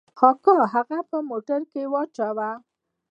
اکا هغه په موټر کښې واچاوه.